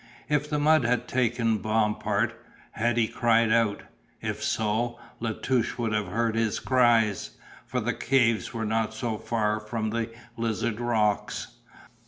If the mud had taken Bompard, had he cried out? If so, La Touche would have heard his cries, for the caves were not so far from the Lizard rocks.